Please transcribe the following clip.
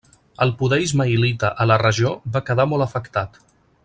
El poder ismaïlita a la regió va quedar molt afectat.